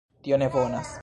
Tio ne bonas!